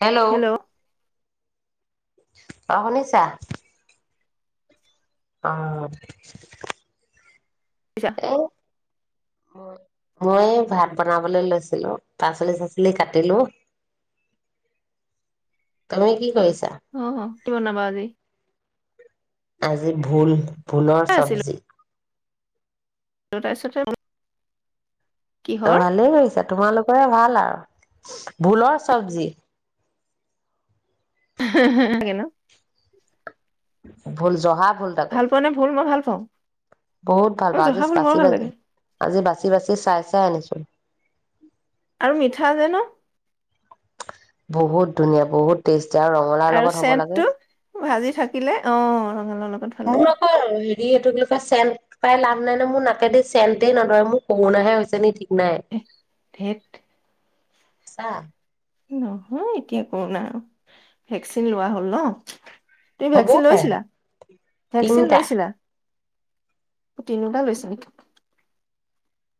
Hello hello অ' শুনিছা অ আতচা মই মই ভাত বনাবলৈ লৈছিলো পাচলি চাচলি কাটিলো তুমি কি কৰিছা? অ কি বনাবা আজি আজি ভোল ভুলৰ চব্জি জটাই চটাই অ ভালেই কৰিছা তোমালোকৰে ভাল আৰু ভোলৰ চব্জি হা হা ভাল লাগে ন ভোল জহা ভোল তাকো ভাল পোৱা নে ভুল মই ভাল পাওঁ বহুত ভাল মোৰ পাও জহা আজি ভুল বৰ বাচি ভাল বা লাগে আজি বাচি বাচি চাই চাই আনিছো। হয় আৰু মিঠা যে ন বহুত ধুনীয়া বহুত টেষ্ট আৰু চেন্টটো ভাজি থাকিলে অ লগত ভাল লাগে। চেন্ট পাই লাভ নাই ন মোৰ নাকেদি চেণ্টে নধৰে মোৰ কৰুণাহে হৈছে নি ঠিক ধেত'। চা নহয় এতিয়া কৰুণা ভেকচিন লোৱা হ'ল ন তুমি হ'বও ভেকচিন পাৰে লৈছিলা ভেকচিন তিনিটা লৈছিলা তিনিওটা লৈছে নেকি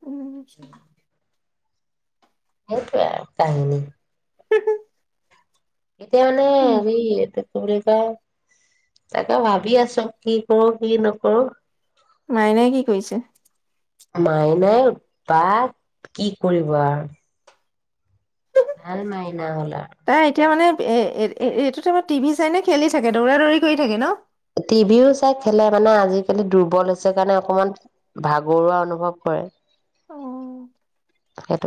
ওম সেইটোৱে আৰু কাহিনী হোহু এতিয়া মানে হেৰি কি বুলি কয় তাকে ভাবি আছো কি কৰো কি নকৰো মাইনাই কি কৰিছে মাই নাই বা কি কৰিব আৰু ভাল মাইনা হল আৰু। এ এ এইটো টাইমত টিভি চাই নে খেলি থাকে দৌৰা দৌৰি কৰি থাকে ন? টিভিও চাই খেলে মানে আজিকালি দুৰ্বল হৈছে কাৰণে অকমান ভাগৰুৱা অনুভৱ কৰে অ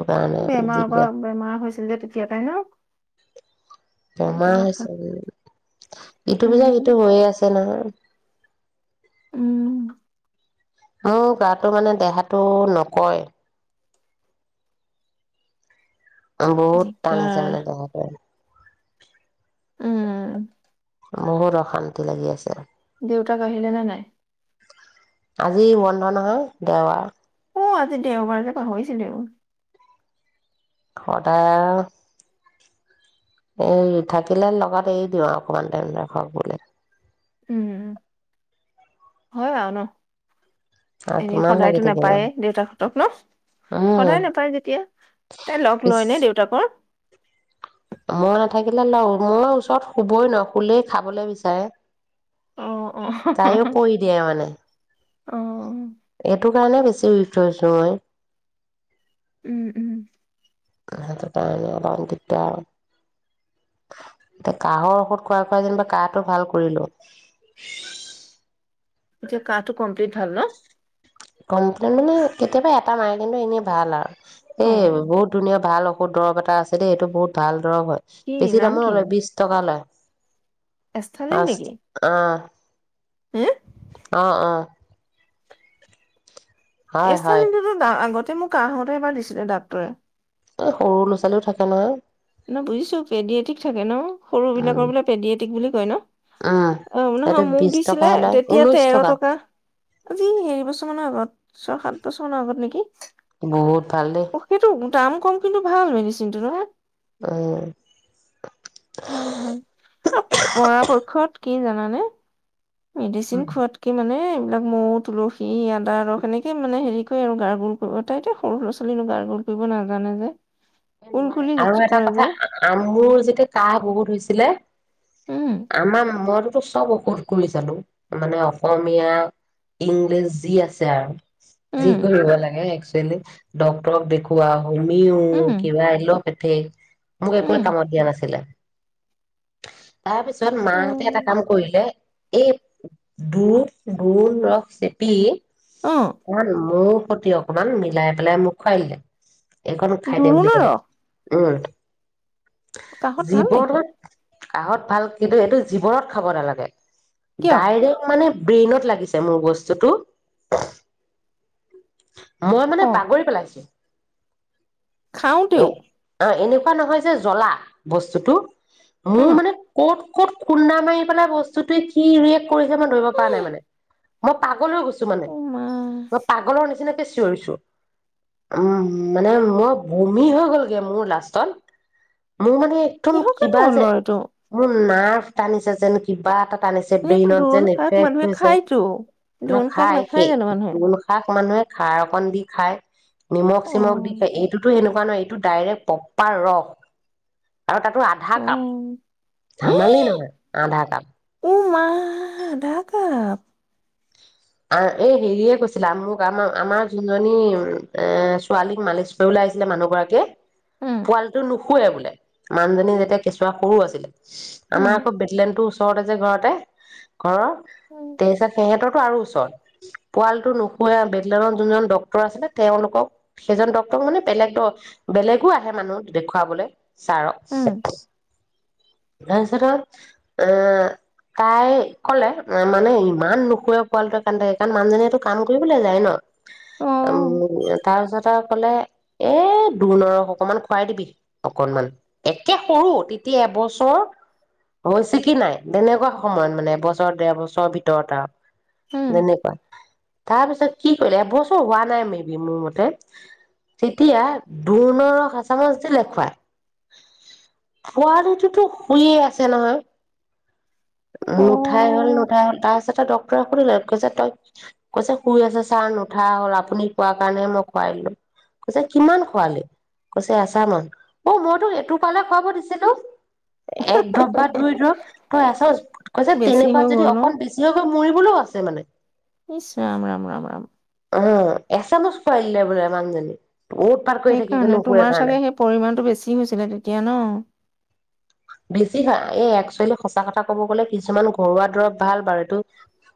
কাৰণে বেমাৰৰ পৰা যিবিলাক বেমাৰ হৈছিল যে তেতিয়া তেই ন বমা সেইটো কথা হৈছে উম ইটো পিজা সিটো উম হৈয়ে আছে নহয়। উম মোৰ গাতো মানে দেহাটো নকয়। বহুত টানিছে দিগদাৰ মানে দেহাটো উম বহুত অশান্তি লাগি আছে দেউতা আহিলে নে নাই আজি বন্ধ নহয় দেউবাৰ অ আজি দেওবাৰেলৈ পাহৰিছিলোও সদায় আৰু। এ থাকিলে লগত এৰি দিওঁ অকমান টাইম ৰাখক বোলে। উম উ হয় আৰু ন আৰু এনে কিমান লাগি সদায়তো থাকিব নাপায়ে দেউতাক হঁতক ন উম সদায় নাপায় যেতিয়া, তাই লগ পিছ লয় ন দেউতাকৰ। মই নাথাকিলে লওঁ মই ওচৰত শুবই নোৱাৰ খুলেই খাবলৈ বিচাৰে অ অ তাযো পই দিয়া মানে অ এইটো। গে বেছি উঠছো মই। উম উম সেইটো তণে অল তেতিয়া এতিয়া কাহৰ ঔষধ খোৱা খোৱা যেনিবা কাহটো ভাল কৰিলো। এতিয়া কটো কমপ্লিট ভাল ন। কমপ্লেইন মানে কেতিয়াবা এটা মাৰে কিন্তু এনেই ভাল আৰু এ অ বহুত ধুনীয়া ভাল অ বহুতৰ এ আছেই এইটো বহুত ভাল ধৰ হয় কি বেছি নাম দামো কিনো নলয় বিশ টকা লয়। এষ্টালিন নেকি আছা অ হে অ অ হয়, এই হয়। চালীতো আগত তে মোক কাহ হওঁতে এবাৰ দিছিলে ডাক্তৰে। সৰু ল'ৰা-ছোৱালীও থাকে নহয়। ন বুজিছো পেডিয়ে ঠিক থাকে ন সৰু উম, বিলাকৰ বোললে পেডিয় এ। তিক বুলি কয় ন? উম। অ এইটো নহয় মোক বিশ দিছিলে টকাহে লয়, তেতিয়া ঊনৈশ তেৰ টকা আজি এৰি বছৰ মানৰ আগত ছয় সাত বছৰ মানৰ আগত নেকি? বহুত ভাল দেই। অ সেইটো দাম কম কিন্তু ভাল মেডিচিনটো ন। অ। ভাল ভাল পৰাপক্ষত কি জানানে? মেডিচিন খোৱাতকে মানে? এইবিলাক মৌ তুলসী আদা ৰস স এনেকে মানে হেৰি কৰে আৰু গাৰ গোল কৰিব তাই এয়া সৰু স'ৰা ছোৱালীনো গাৰ গোল কৰিব নাজানে যে এ নোৱাৰে কুলকুলি আৰু এটা কৰে যে কথা আ মোৰ যেতিয়া কাহ বহুত হৈছিলে উম আম মোৰ চব ঔষধ কৰি চালো মানে অসমীয়া ইংলিছ যি আছে আৰু যি উম কৰিব লাগে ডক্টৰক দেখুৱা উমি অ উম পলো পতে মোক একোে উম কামত দিয়া নাছিলে তাৰপিছত অ মাহঁতে এটা কাম কৰিলে এই দুপ দল ৰস চেপি অ কোক প্ৰতি অকমান মিলাই পেলাই মোক খুৱাই দিলে এখনো খাইতে বুলি জোৰোণৰ ত আঠ ৰস কাহঁত ভাল জিপ নেকি? কাঁহত ভাল কিন্তু এইটো জীৱনত খাব নালাগে কিয়? ডাইৰেক্ট মানে ব্ৰেইনত লাগিছে মোৰ বস্তুটো মই মানে অ', বাগৰি পেলাইছো এ অ খাওঁতেও এনে নহয় যে জ্বলা বস্তুটো মোৰ উম, মানে ক'ত ক'ত খুন্দা মাৰি পেলাই বস্তুটোৱে কি ৰিয়েক্ট কৰিছে মই ধৰিব পৰা নাই মানে মই পাগল গুছো মানে অ', মা মই পাগলৰ নিচিনা কেনেকে চিঞৰিছ উম মানে মই বমি হৈ গ'লগে মোৰ লাষ্টত মোৰ মানে একদম কিহৰ কাৰণে কিবা হ'ল যে বাৰু এইটো? মোৰ নাৰ্ভ টানিছে যেন কিবা এটা টানিছে এনেইতো ব্ৰেইনত দোৰোণ যেন শাক এফেক্ট মানুহে হৈছে খায়তো, ন দোৰোণ শাক খাই নাখায় জানো মানুহে? সেইুণ শাক মানুহে খাৰ অকণ দি খাই নিমখ চিমখ দি অ', খায় এইটোতো সেনেুৱা ন এইটো ডাইৰেক্ট পপাৰ ৰস আৰু তাতো আধা কাপ অ', ধামালি নহয় আধা কাপ ও মা আধা কাপ আ এই হেৰিয়ে কৈছিলা মোক আমাৰ আমাৰ যোনজনী এ ছোৱালীক মালেশপ ওলাই আহিছিলে মানুহ গৰাকীয়ে উম, পোৱালটো নুখ নুখুৱেৰে বোলে মানুজনী যেতিয়া কেঁচুৱা সৰু আছিলে উম, আমাৰ আকৌ বেটলেন টো চতে যে ঘৰতেে ঘৰত উম, তাৰ পিছত সিহঁতৰতো আৰু পোৱালটো নখু বেলত যোনজন ডক্তৰ আছিলে তেওঁলোকক সেইজন ডক্তৰ মানে বেলেগ বেলেগ আহে মানুহ দেখুৱাবলৈ চাৰ উম, তাৰপিছত এ তাই কলে মানে ইমান নুখোৱ সোৱালোৱে কাম থাকে কাৰণ মানুহজনীয়ে এইটো কাম কৰিবলৈ যায় ন অ', উম তাৰপিছত কলে এ দ নৰস অকনমান খুৱাই দিবি অকনমান একে সৰু তেতিয়া এবছৰ হৈছে কি নাই তেনেকুৱা সময়ত মানে এবছৰ ডৰ বছৰৰ ভিতৰত আৰু উম, ধন্যবাদ তাৰ পিছত কি কৰিলে এবছৰ হোৱা নাই মে বি মোৰ মতে তেতিয়া দুোৰ্ণ হচামছ যে দেখুৱায় পোৱালিটোতো শুইে আছে নহয় নুঠাই হ'ল অ', নুঠাই হ'ল তাৰপিছত পু কৰিলা কৈছে তই কৈছে শুই আছ ছাৰ নুঠা হল আপুনি কোৱাৰ কাৰণেহে মই খোৱাই দলো কৈছে কিমান খোৱালি কৈছে এচামামান অঁ মইতো এইটো পালে খুৱাব দিছিলো এক দ্ৰৱ বা দুই দ্ৰৱ তই আছ কৈছে বেছি তেনেকুৱাত হৈ গ'ল যদি ন? অকন বেছি হৈ গৈ মৰিবলৈও আছে মানে নিশ্চ ৰাম ৰাম ৰাম ৰাম অঁ এচামুচ খোৱাই দিলে বোলে মানুজনী সেইকাৰণে তোমাৰ চাগে সেই পৰিমাণটো বেছি হৈছিলে তেতিয়া ন বেছি খা এই একচুৱেলি সঁচা কথা কব গ'লে কিছুমান ঘৰুৱা দৰব ভাল বাৰু এইটো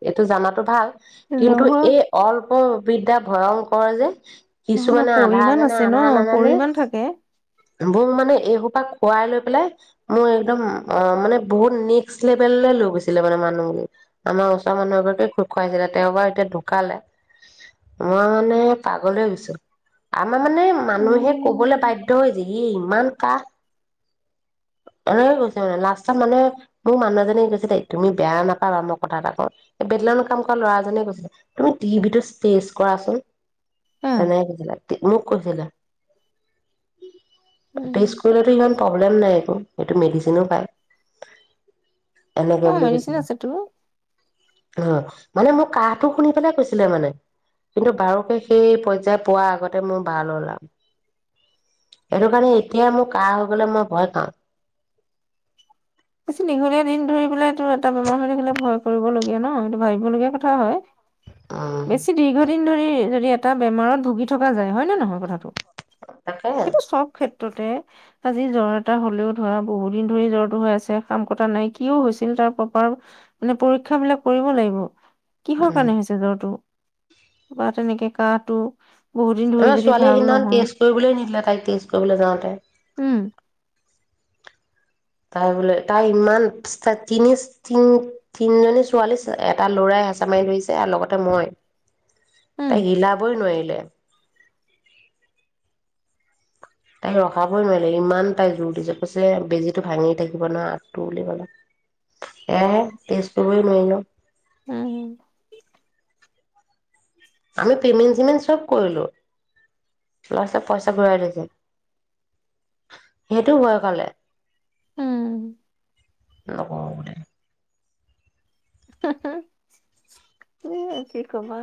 এইটো জাতো ভাল নহয়, কিন্তু নহয়, এই অল্প বিদ্যা ভয়ংকৰ যে কিছু নহয় মানে আধা পৰিমাণ জানে আছে ন, আধা নাজানে পৰিমাণ থাকে। মোক মানে এইসোপা খুৱাই লৈ লে মোৰ একদম আহ মানে বহুত নেক্স লেভেল লৈ গৈছিলে মানে মানুহ আমাৰ ওচৰৰ মানুহ এগৰাকে খোজ খুৱাইছিলে তেওঁবাৰ এতিয়া ঢুকালে মই মানে পাগলে গৈছো আমাৰ মানে মানুহে কবলৈ উম, বাধ্য় হৈছে ইি ইমান কাহ অঁ গৈ মানে লাষ্ট মানুে মোৰ মানুহ এজনে গৈছিলে তুমি বেয়া নাপাবা মই কথা এটা ক বেলউ কাম কৰা ল'ৰাজনে কৈছিলে তুমি টিভিতো কৰাচোন আহ, [inaudible] মোক কৈছিলে উম। স্কুল প্ৰব্লেম নাই মেডিচিন প এনেকে অ', বুলি বুলি মেডিচিন কৈছে আছেতো। অঁ মানে মোৰ কাহটো শুনি পেলাই কৈছিলে মানে কিন্তু বাৰুকে সেই পৰ্যায় পোৱাৰ আগতে মই ব লৈ ওলাম সেইটো কাৰণে এতিয়া মোৰ কাহ হৈ গলে মই ভয় খাওঁ বেছি দীঘলীয়া দিন ধৰি পেলাই টো এটা বেমাৰ হৈ থাকিলে ভয় কৰিবলগীয়া ন ভাবিবলগীয়া কথা হয়। উম বেছি দীৰ্ঘদিন ধৰি যদি এটা বেমাৰত ভুগি থকা যায় হয় নে নহয় কথাটো তাকেই ততে আজি জ্বৰ এটা হলেও ধৰা বহুত দিন ধৰি জ্বৰটো হৈ আছে কাম কটা নাই কিয় হৈছিল তাৰ প্ৰপাৰ মানে পৰীক্ষা বিলাক কৰিব লাগিব। কিহৰ উম কাৰণে হৈছে জ্বৰটো বা তেনেকে কাহটো বহুত দিন ধৰি আমাৰ যদি ছোৱালীয়ে ভাল সিদিনাখন নহয় টেষ্ট কৰিবলৈ নিদিলে তাইক টেষ্ট কৰিবলৈ যাওঁতে উম, তাই বোলে তাই ইমান তিনি তিন তিনিজনী ছোৱালী এটা লৰাই হেঁচা মাৰি ধৰিছে আৰু লগতে মই উম, তাই হিলাবই নোৱাৰিলো। পলেে [unintelligible] তাই ৰখাবই নোৱাৰিলে ইমান তাই জোৰ দিছে কৈছেলে বেজিটো ভাঙি থাকিব না আগটো বুলি কলে সেয়ে তেজ কৰিবই নোৱাৰিলো উম আমি পেমেণ্ট চিমেণ্ট চব কৰিলো ল'ৰা ছোৱীয়ে পইচা ঘূৰাই দিছে সেইটো হোৱা কালে উম। ন ক কি আছে? কবা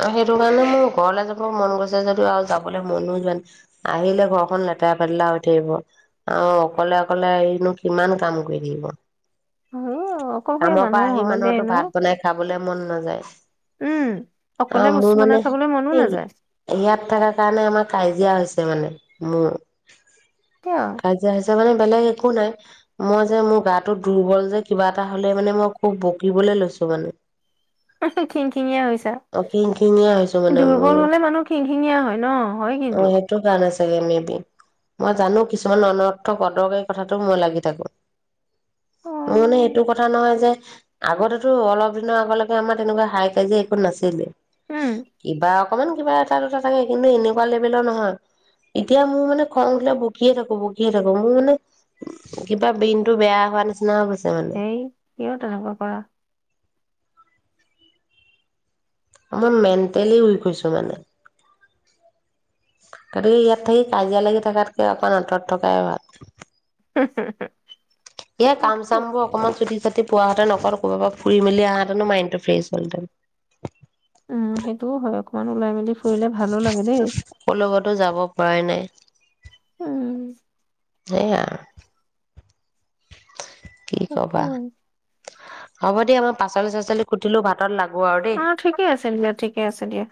আৰু সেইটো কাৰণে মোৰ ঘৰলৈ যাব মন গৈছে যদিও আৰু যাবলৈ মনো যান আহিলে ঘৰখন লেতেৰা ফেতেৰা হৈ থাকিব আৰু অকলে অকলে আহিনো কিমান কাম কৰি থাকিব হয় অকলশৰীয়া কামৰ মানুহ পৰা আহি হয় দেই মানুহো ন ভাত বনাই খাবলে মন নাযায় উম অকলে অ' মোৰ বস্তু বনাই মানে খাবলৈ মনো নাযায় ইয়াত থকা কাৰণে আমাৰ কাজি দিয়া হৈছে মানে মোৰ কিয় কাজিয়া হৈছে মানে বেলেগ একো নাই মই যে মোৰ গাটো দুৰ্বল যে কিবা এটা হলে মানে মই খুব বকিবলে লৈছো মানে উ [unintelligible] খিংখিঙীয়া হৈছা অ খিংখিঙীয়া হৈছো মানে মোৰ দুৰ্বল হলে মানুহ খিংখিঙীয়া হয় ন হয় অ কিন্তু সেইটো [unintelligible] মই জানো কিছুমান অনৰ্থক অদৰকাৰী কথাটো মই লাগি থাকো অ মানে এইটো কথা কথা নহয় যে আগতেতো অলপ দিনৰ আগলৈকে আমাৰ তেনেকুৱা হাই কাজিয়া [unintelligible] নাছিলে উম কিবা অকমান কিবা এটা দুটা থাকে কিন্তু এনেকুৱা লেভেলৰ নহয় এতিয়া মোৰ মানে খং উঠেলে বকিয়ে থাকো বকিয়ে থাকো মোৰ মানে উ কিবা ব্ৰেইনতটো বেয়া হোৱা নিচিনা হৈছে। সেই কিয় তেনেকুৱা কৰা মই মেণ্টেলি উইক হৈছো মানে গতিকে ইয়াত থাকি কাজিয়া লাগি থকাতকৈ অকণ আতৰত থকাই ভাল। হো-হো-হো। এ কাম চাম বোৰ অকমান চুটি ছাটি পোৱাহঁতে নক ক'ৰব পৰা ফুৰি মেলি আহহেঁতেনো মাইণ্ড ফ্ৰছ হ'লহঁতেন উম সেইটোওঁ হয় অকমান ওলাই মেলি ফুৰিলে ভালো লাগে দেই কলৈকতো যাব পৰাই নাই উম সেইয়া কি তাকে কবা? হব' দিয়া মই পাচলি চাচলি কুটিলো, ভাতত লাগ অ ঠিকে আছে দিয়া, ঠিকে আছে দিয়া।